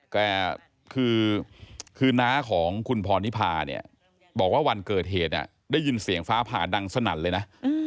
แต่คือน้าของคุณพรนิพาเนี่ยบอกว่าวันเกิดเหตุได้ยินเสียงฟ้าผ่าดังสนั่นเลยนะ